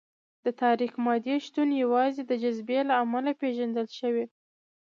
د تاریک مادې شتون یوازې د جاذبې له امله پېژندل شوی.